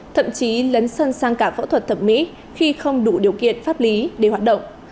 thậm chí lấn sân sang cả phẫu thuật thẩm mỹ khi không đủ điều kiện pháp lý để hoạt động